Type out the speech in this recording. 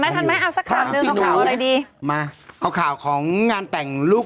ทันไหมเอาสักข่าวหนึ่งเอาข่าวอะไรดีมาเอาข่าวของงานแต่งลูก